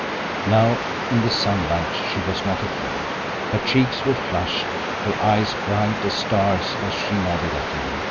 Now, in the sunlight, she was not afraid. Her cheeks were flushed, her eyes bright as stars as she nodded at him.